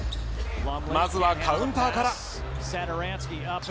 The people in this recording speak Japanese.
まずはカウンターから。